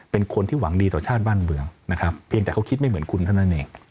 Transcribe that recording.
เป็นคนที่หวังดีต่อชาติบ้านเมืองนะครับเพียงแต่เขาคิดไม่เหมือนคุณเท่านั้นเอง